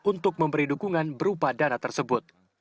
untuk memberi dukungan berupa dana tersebut